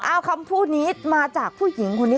เอาคำพูดนี้มาจากผู้หญิงคนนี้